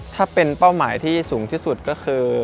ถ้าเป็นเป้าหมายที่สูงที่สุดก็คือ